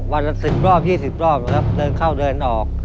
วันละสิบรอบยี่สิบรอบนะครับเดินเข้าเดินออก